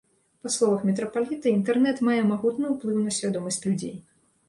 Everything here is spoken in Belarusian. Па словах мітрапаліта, інтэрнэт мае магутны ўплыў на свядомасць людзей.